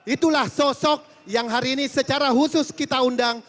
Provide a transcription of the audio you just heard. itulah sosok yang hari ini secara khusus kita undang